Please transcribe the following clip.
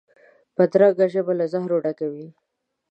بدرنګه ژبه له زهره ډکه وي